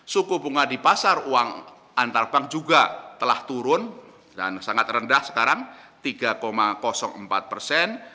suku bunga di pasar uang antar bank juga telah turun dan sangat rendah sekarang tiga empat persen